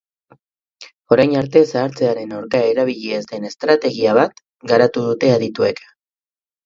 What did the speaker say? Orain arte zahartzearen aurka erabili ez den estrategia bat garatu dute adituek.